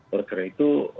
oleh karena itu